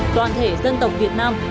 toàn thể dân tộc việt nam